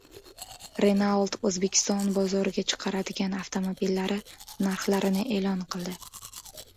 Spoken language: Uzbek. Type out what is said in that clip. Renault O‘zbekiston bozoriga chiqaradigan avtomobillari narxlarini e’lon qildi